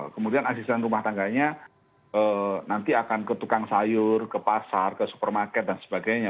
kemudian asisten rumah tangganya nanti akan ke tukang sayur ke pasar ke supermarket dan sebagainya